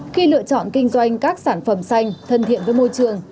khi lựa chọn kinh doanh các sản phẩm xanh thân thiện với môi trường